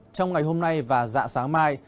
trong ngày hôm nay và dạ sáng mai